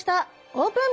オープン！